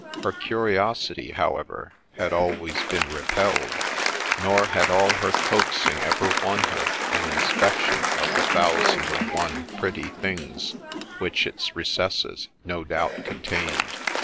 Her curiosity, however, had always been repelled ; nor had all her coaxing ever won her an inspection of the thousand and one pretty things which its recesses no doubt contained.